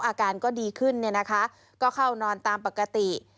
อาการก็ดีขึ้นเนี่ยนะคะก็เข้านอนตามปกติ